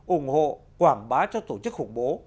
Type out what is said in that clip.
ủng hộ quảng bá cho tổ chức khủng bố